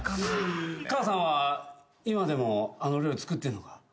母さんは今でもあの料理作ってんのか？